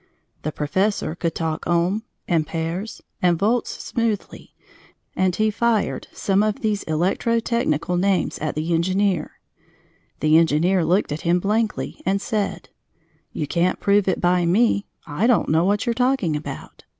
The professor could talk ohm, ampères, and volts smoothly, and he "fired" some of these electrotechnical names at the engineer. The engineer looked at him blankly and said: "You can't prove it by me. I don't know what you're talking about.